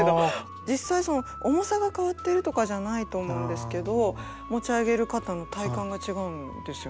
実際重さが変わってるとかじゃないと思うんですけど持ち上げる方の体感が違うんですよね。